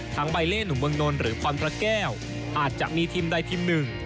ใบเล่หนุ่มเมืองนนท์หรือพรพระแก้วอาจจะมีทีมใดทีมหนึ่ง